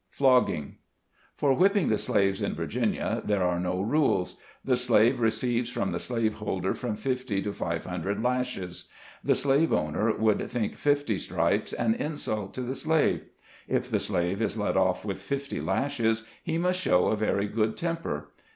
FLOGGING. For whipping the slaves in Virginia, there are no rules. The slave receives from the slaveholder from fifty to five hundred lashes. The slave owner would think fifty stripes an insult to the slave. If the slave is let off with fifty lashes, he must show a very good temper.